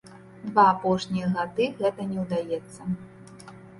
Два апошнія гады гэта не ўдаецца.